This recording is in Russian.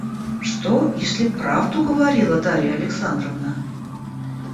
Что, если правду говорила Дарья Александровна?